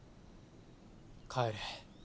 帰れ。